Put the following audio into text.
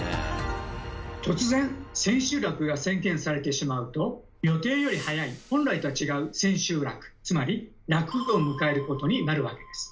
突然千秋楽が宣言されてしまうと予定より早い本来とは違う千秋楽つまり楽を迎えることになるわけです。